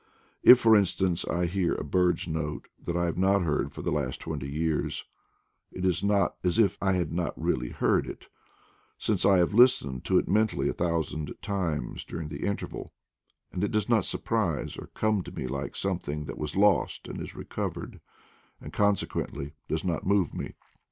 If, for instance, I hear a bird's note that I have not heard for the last twenty years, it is not as if I had not really heard it, since I have listened to it mentally a thousand times during the interval, and it does not surprise or come to me like some thing that was lost and is recovered, and conse quently does not move me.